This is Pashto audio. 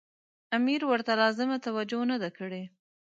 امیر ورته لازمه توجه نه ده کړې.